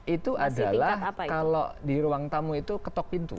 itu adalah kalau di ruang tamu itu ketok pintu